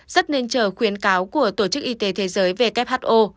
rất nên chờ khuyến cáo của tổ chức y tế thế giới who